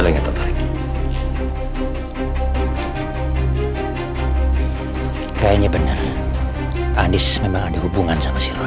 kayaknya beneran andis memang ada hubungan sama si roy